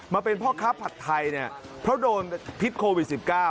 มาเป็นพ่อค้าผัดไทยเนี่ยเพราะโดนพิษโควิด๑๙